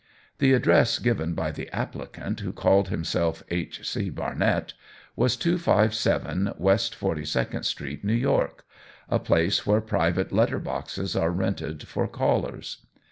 The address given by the applicant who called himself "H. C. Barnett," was 257, West Forty second Street; New York, a place where private letter boxes are rented for callers.